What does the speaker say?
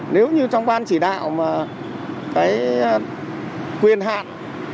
nếu như trong ban chỉ đạo mà cái quyền hạn